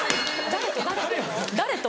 ・誰と？